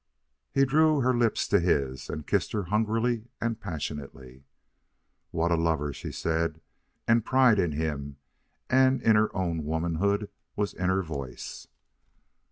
He drew her lips to his and kissed her hungrily and passionately. "What a lover!" she said; and pride in him and in her own womanhood was in her voice.